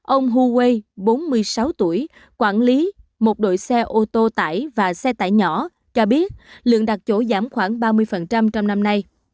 ông huawei bốn mươi sáu tuổi quản lý một đội xe ô tô tải và xe tải nhỏ cho biết lượng đặt chỗ giảm khoảng ba mươi trong năm nay